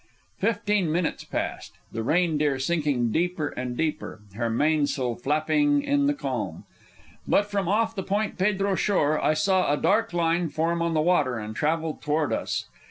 Fifteen minutes passed, the Reindeer sinking deeper and deeper, her mainsail flapping in the calm. But from off the Point Pedro shore I saw a dark line form on the water and travel toward us.